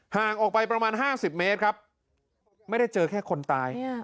ห่างออกไปประมาณ๕๐เมตรครับไม่ได้เจอแค่คนตาย